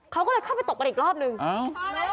เขาก็เลยเข้าไปตบกันอีกรอบหนึ่งอ้าว